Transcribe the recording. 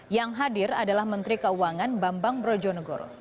yang hadir adalah menteri keuangan bambang brojonegoro